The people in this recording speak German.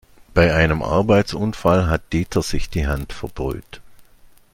Bei einem Arbeitsunfall hat Dieter sich die Hand verbrüht.